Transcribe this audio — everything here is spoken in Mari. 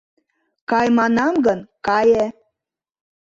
Кай манам гын, кае!